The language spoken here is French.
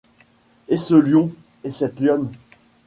Et ce lion, et cette lionne ?